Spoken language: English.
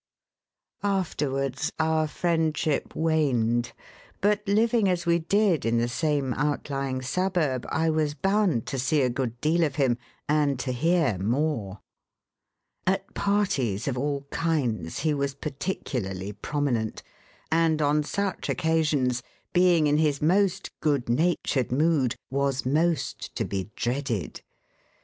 Afterwards our friendship waned, but living as we did in the same outlying suburb, I was bound to see a good deal of him; and to hear more. At parties of all kinds he was particularly prominent, and on such occasions, being in his most good natured mood, was most to be dreaded.